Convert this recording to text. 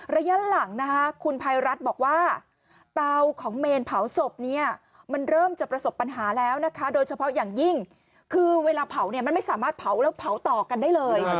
ระยะหลังนะคะคุณภัยรัฐบอกว่าเตาของเมนเผาศพเนี่ยมันเริ่มจะประสบปัญหาแล้วนะคะโดยเฉพาะอย่างยิ่งคือเวลาเผาเนี่ยมันไม่สามารถเผาแล้วเผาต่อกันได้เลย